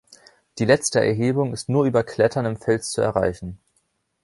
Die letzte Erhebung ist nur über Klettern im Fels zu erreichen.